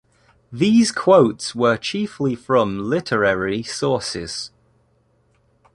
These quotes were chiefly from literary sources.